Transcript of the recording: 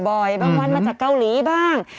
บางวันมาจากเกาหลีบ้าง